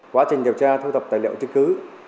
quá trình điều tra thu tập tài liệu chức cứ